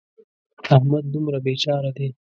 احمد دومره بې چاره دی.